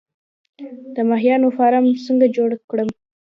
د ماهیانو فارم څنګه جوړ کړم؟